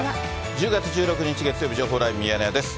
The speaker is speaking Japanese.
１０月１６日月曜日、情報ライブミヤネ屋です。